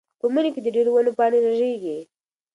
په مني کې د ډېرو ونو پاڼې رژېږي.